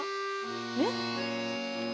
えっ？